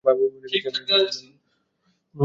নাকি বলব এটাতো সাধারণ বিষয়?